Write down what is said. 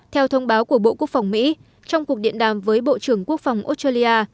theo thông báo của bộ quốc phòng mỹ trong cuộc điện đàm với bộ trưởng quốc phòng australia